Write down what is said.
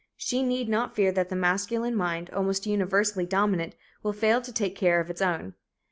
She need not fear that the masculine mind, almost universally dominant, will fail to take care of its own.